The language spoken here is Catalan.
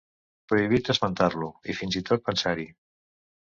Prohibit esmentar-lo i fins i tot pensar-hi.